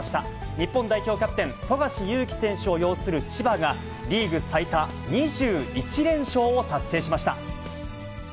日本代表キャプテン、富樫勇樹選手を擁する千葉が、リーグ最多２１連勝を達成しました。